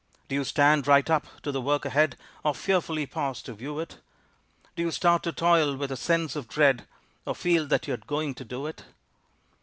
Do you stand right up to the work ahead Or fearfully pause to view it? Do you start to toil with a sense of dread Or feel that you're going to do it?